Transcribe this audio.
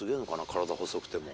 体細くても。